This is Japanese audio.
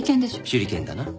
手裏剣だな。